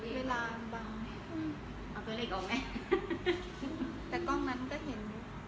เวลาบางเอาตัวเลขออกไงแต่กล้องนั้นก็เห็น